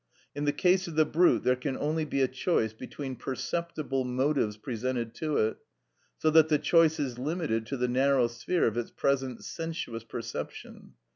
In the case of the brute there can only be a choice between perceptible motives presented to it, so that the choice is limited to the narrow sphere of its present sensuous perception.